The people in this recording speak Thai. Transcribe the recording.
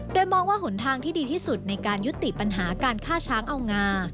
โดยมองว่าหนทางที่ดีที่สุดในการยุติปัญหาการฆ่าช้างเอางา